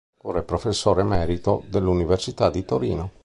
Ora è professore emerito dell'Università di Torino.